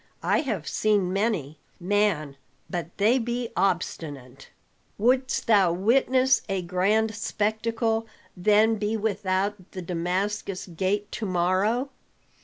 I have seen many. Man, but they be obstinate! Wouldst thou witness a grand spectacle, then be without the Damascus Gate to morrow.